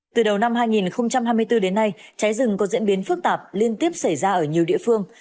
từ đầu năm hai nghìn hai mươi bốn đến nay cháy rừng có diễn biến phức tạp liên tiếp xảy ra ở nhiều địa phương